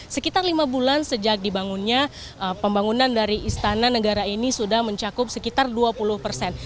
sekitar lima bulan sejak dibangunnya pembangunan dari istana negara ini sudah mencakup sekitar dua puluh persen